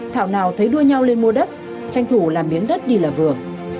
thảo nào thấy đua nhau lên mua đất tranh thủ làm miếng đất đi là vừa